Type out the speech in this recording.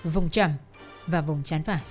vùng trầm và vùng chán phả